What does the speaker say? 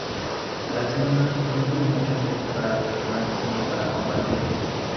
De la Serna no tuvo mucho tiempo para gobernar sino para combatir.